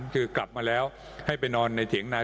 คือกลับมาแล้วให้ไปนอนในเถียงใน